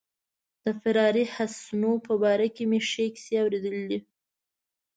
د فراري حسنو په باره کې مې ښې کیسې اوریدلي.